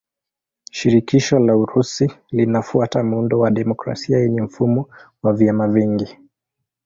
Shirikisho la Urusi linafuata muundo wa demokrasia yenye mfumo wa vyama vingi.